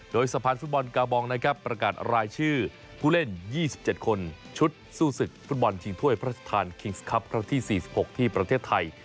โดยสะพานฟุตบอลกาวบองก์ประกาศรายชื่อผู้เล่น๒๗คนชุดสู้สิทธิ์ฟุตบอลจิงต้วยพระธรรณคิงส์คลับครั้งที่๔๖ที่ประเทศไทย